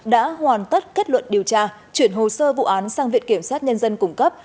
đã hoàn tất kết luận điều tra chuyển hồ sơ vụ án sang viện kiểm sát nhân dân cung cấp